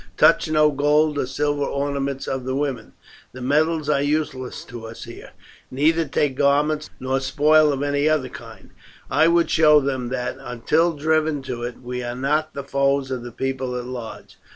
Touch no gold or silver ornaments of the women the metals are useless to us here neither take garments nor spoil of any other kind. I would show them that, until driven to it, we are not the foes of the people at large.